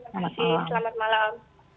terima kasih selamat malam